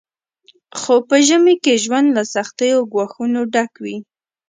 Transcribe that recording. خو په ژمي کې ژوند له سختو ګواښونو ډک وي